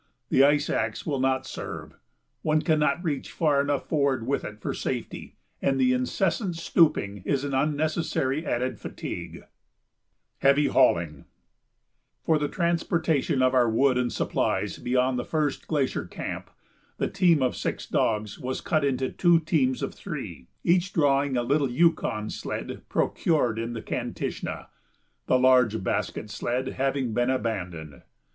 The ice axe will not serve one cannot reach far enough forward with it for safety, and the incessant stooping is an unnecessary added fatigue. [Sidenote: Heavy Hauling] For the transportation of our wood and supplies beyond the first glacier camp, the team of six dogs was cut into two teams of three, each drawing a little Yukon sled procured in the Kantishna, the large basket sled having been abandoned.